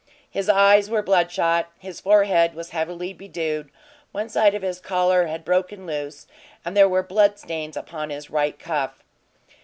His eyes were bloodshot; his forehead was heavily bedewed; one side of his collar had broken loose, and there were blood stains upon his right cuff.